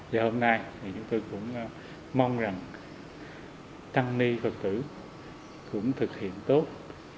và hôm nay thì chúng tôi cũng mong rằng tăng ni phật tử cũng thực hiện tốt